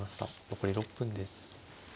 残り６分です。